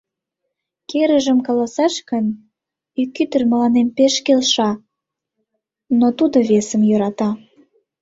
Керыжым каласаш гын, ик ӱдыр мыланем пеш келша, но тудо весым йӧрата.